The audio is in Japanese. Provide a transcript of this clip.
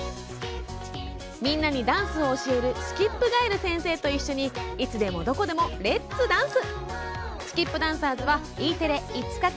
みんなにダンスを教えるスキップガエル先生と一緒にいつでもどこでもレッツダンス！